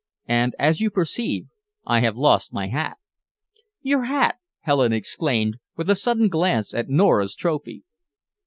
And, as you perceive, I have lost my hat." "Your hat?" Helen exclaimed, with a sudden glance at Nora's trophy.